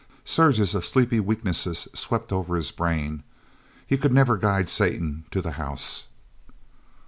Surges of sleepy weakness swept over his brain. He could never guide Satan to the house.